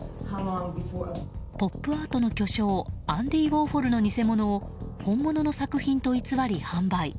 ポップアートの巨匠アンディー・ウォーホルの偽物を本物の作品と偽り販売。